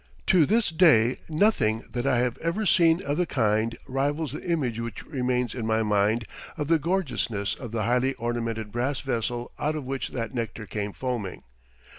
To this day nothing that I have ever seen of the kind rivals the image which remains in my mind of the gorgeousness of the highly ornamented brass vessel out of which that nectar came foaming.